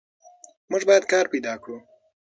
موږ باید کار پیدا کړو.